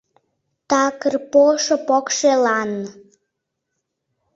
Такыр пошо покшелан.